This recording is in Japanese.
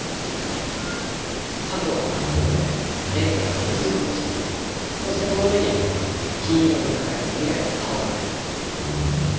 過去は真っ黒で現在はムスッとしていてそしてその上に金色に輝く未来の顔がある。